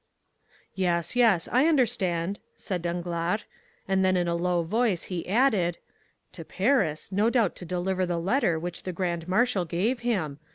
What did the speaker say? "Yes, yes, I understand," said Danglars, and then in a low tone, he added, "To Paris, no doubt to deliver the letter which the grand marshal gave him.